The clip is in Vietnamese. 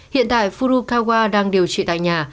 hiện tại furukawa đang điều trị tại nhà